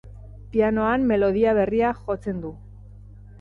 Pianoan melodia berria jotzen du.